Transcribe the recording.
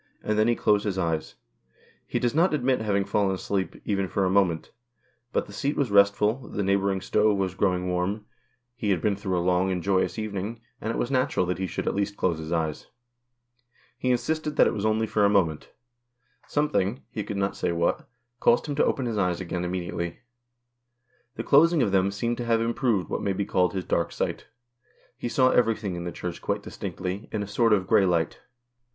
And then he closed his eyes. He does not admit having fallen asleep, even for a moment. But the seat was restful, the neighbouring stove was growing 178 THE KIRK SPOOK. warm, he had been through a long and joyous evening, and it was natural that he should at least close his eyes. He insisted that it was only for a moment. Something, he could not say what, caused him to open his eyes again immediately. The closing of them seemed to have improved what may be called his dark sight. He saw every thing in the Church quite distinctly, in a sort of grey light.